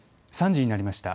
３時になりました。